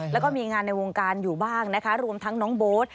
แล้วก็มีงานในวงการอยู่บ้างนะคะรวมทั้งน้องโบ๊ท